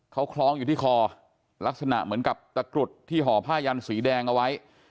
เขาคล้องอยู่ที่คอลักษณะเหมือนกับตะกรุดที่ห่อผ้ายันสีแดงเอาไว้